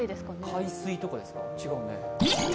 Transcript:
海水とかですか、違うね。